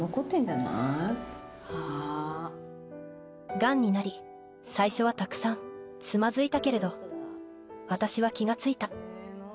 がんになり、最初はたくさんつまずいたけれど私は気がついた。